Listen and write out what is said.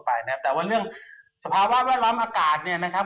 เพราะงั้นภาวะแวดร้ำอากาศเนี่ยนะครับ